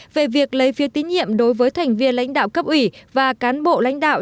về việc lấy phiếu tín nhiệm đối với thành viên lãnh đạo cấp ủy và cán bộ lãnh đạo